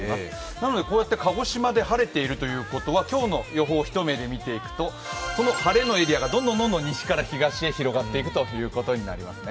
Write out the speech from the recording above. なので鹿児島で晴れているということは今日の予報を一目で見ていくとその晴れのエリアがどんどん西から東へ広がっていくということになりますね。